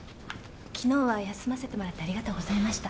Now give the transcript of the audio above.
昨日は休ませてもらってありがとうございました。